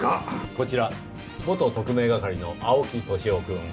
こちら元特命係の青木年男君。